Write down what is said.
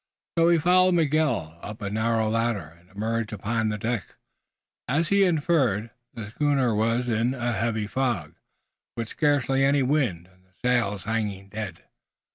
So he followed Miguel up a narrow ladder and emerged upon the deck. As he had inferred, the schooner was in a heavy fog, with scarcely any wind and the sails hanging dead.